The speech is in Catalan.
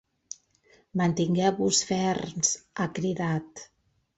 Mantingueu-vos ferms, ha cridat.